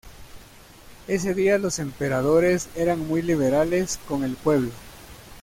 Ese día los emperadores eran muy liberales con el pueblo.